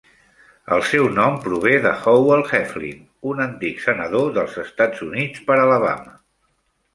El seu nom prové de Howell Heflin, un antic senador dels Estats Units per Alabama.